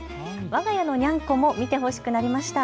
わが家のニャンコも見てほしくなりました。